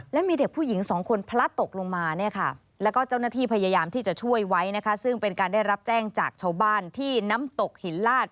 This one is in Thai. และมีเด็กผู้หญิงสองคนพลัดตกลงมาเนี่ยค่ะแล้วก็เจ้าหน้าที่พยายามที่จะช่วยไว้นะคะซึ่งเป็นการได้รับแจ้งจากชาวบ้านที่น้ำตกหินลาด